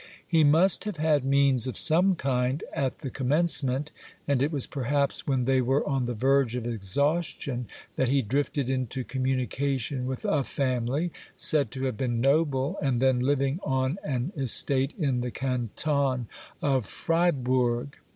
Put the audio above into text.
He must have had means of some kind at the commencement, and it was perhaps when they were on the verge of exhaustion that he drifted into communication with a family, said to have been noble and then living on an estate in the canton of Fribourg.